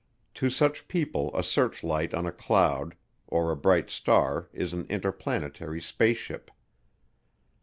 To such people a searchlight on a cloud or a bright star is an interplanetary spaceship.